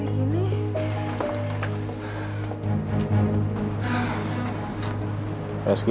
ini rumahnya gak sepi gini